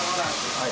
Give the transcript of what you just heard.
はい。